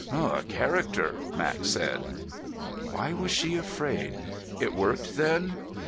"A character," Max said. Why was she afraid? "It worked then?"